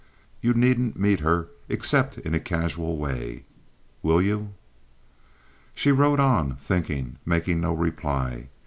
You needn't meet her except in a casual way. Will you?" She rode on, thinking, making no reply.